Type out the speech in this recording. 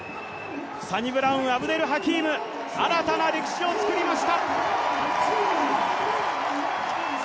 サニブラウン・アブデルハキーム、新たな歴史を作りました。